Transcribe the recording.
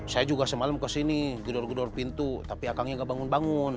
saya juga semalam kesini gedor gedor pintu tapi akangnya nggak bangun bangun